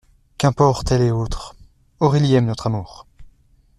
Qu'importent elle et l'autre ? Aurélie aime notre amour.